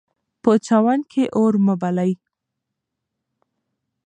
په چمن کې اور مه بلئ.